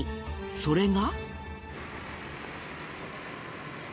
それが。